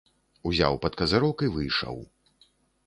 Узяў пад казырок і выйшаў.